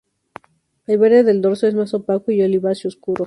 El verde del dorso es más opaco y oliváceo-oscuro.